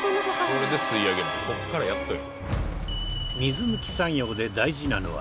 これで吸い上げるここからやっとよ。